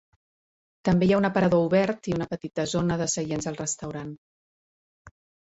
També hi ha un aparador obert i una petita zona de seients al restaurant.